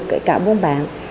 kể cả bốn bạn